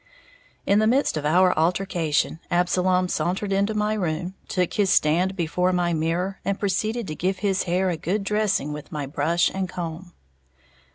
In the midst of our altercation, Absalom sauntered into my room, took his stand before my mirror, and proceeded to give his hair a good dressing with my brush and comb.